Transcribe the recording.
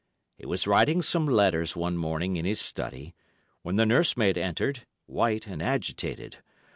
He was writing some letters one morning in his study, when the nurse maid entered, white and agitated.